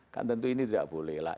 kan tentu ini tidak boleh lah